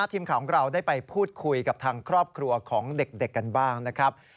ทีมข่าวของเราได้ไปพูดคุยกับทางครอบครัวของเด็กกันบ้างนะครับ